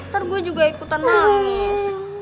ntar gue juga ikutan menangis